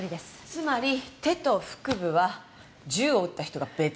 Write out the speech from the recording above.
つまり手と腹部は銃を撃った人が別。